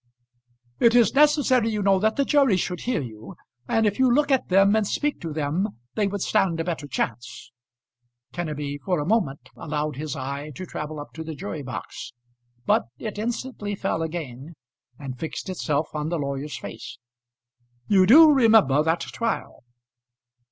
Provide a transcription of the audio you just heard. "It is necessary, you know, that the jury should hear you, and if you look at them and speak to them, they would stand a better chance." Kenneby for a moment allowed his eye to travel up to the jury box, but it instantly fell again, and fixed itself on the lawyer's face. "You do remember that trial?"